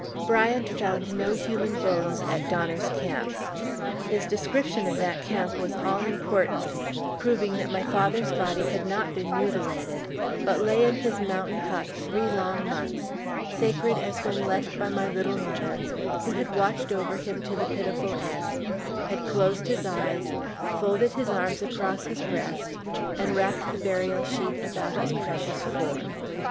Bryant found no human bones at Donner's camp. His description of that camp was all important, proving that my father's body had not been mutilated, but lay in his mountain hut three long months, sacred as when left by my little mother, who had watched over him to the pitiful end, had closed his eyes, folded his arms across his breast, and wrapped the burial sheet about his precious form.